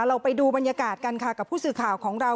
เราไปดูบรรยากาศกันค่ะกับผู้สื่อข่าวของเรา